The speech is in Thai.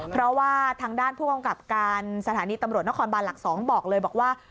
เพราะว่าทางด้านผู้กำกับการสถานีตำรวจนครบานหลัก๒บอกเลยบอกว่า